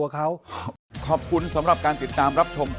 ขอบคุณสำหรับการสินตาม